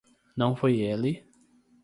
Não foi ele